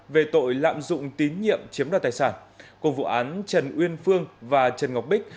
về tội lạm dụng tín nhiệm chiếm đoạt tài sản cùng vụ án trần uyên phương và trần ngọc bích